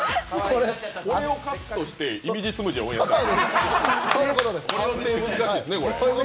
これをカットして、いみじつむじをオンエアしたん？